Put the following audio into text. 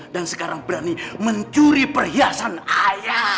dan sekarang berani mencuri perhiasan ayah